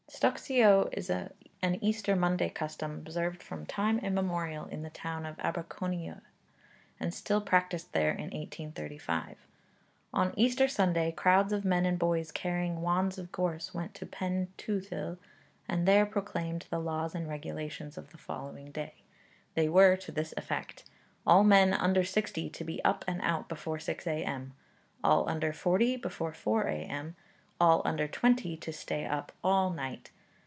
) Stocsio is an Easter Monday custom observed from time immemorial in the town of Aberconwy, and still practised there in 1835. On Easter Sunday crowds of men and boys carrying wands of gorse went to Pen Twthil, and there proclaimed the laws and regulations of the following day. They were to this effect: all men under sixty to be up and out before 6 A.M.; all under forty, before 4 A.M.; all under twenty, to stay up all night.